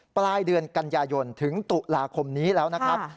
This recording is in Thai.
ปลายเดือนกันยายนถึงตุลาคมนี้แล้วนะครับ